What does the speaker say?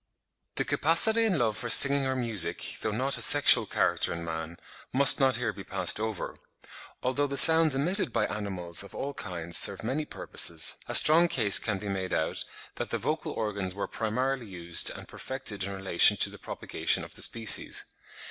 The capacity and love for singing or music, though not a sexual character in man, must not here be passed over. Although the sounds emitted by animals of all kinds serve many purposes, a strong case can be made out, that the vocal organs were primarily used and perfected in relation to the propagation of the species.